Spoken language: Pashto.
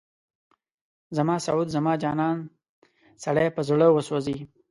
زما سعود، زما جانان، سړی په زړه وسوځي